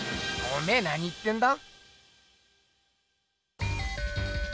おめえなに言ってんだ？